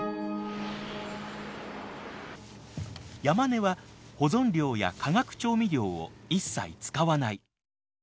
山根は保存料や化学調味料を一切使わない。